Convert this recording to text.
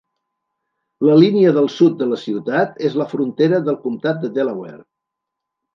La línia del sud de la ciutat és la frontera del Comtat de Delaware.